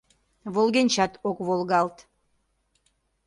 Волгенчат ок волгалт